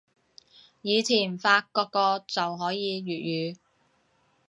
以前發個個就可以粵語